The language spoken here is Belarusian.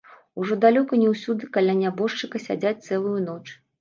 Ужо далёка не ўсюды каля нябожчыка сядзяць цэлую ноч.